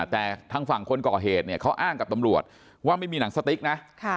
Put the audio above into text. แต่ทางฝั่งคนก่อเหตุเนี่ยเขาอ้างกับตำรวจว่าไม่มีหนังสติ๊กนะ